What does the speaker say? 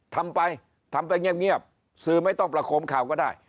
ทำไปทำไปเงียบสื่อไม่ต้องประคมข่าวก็ได้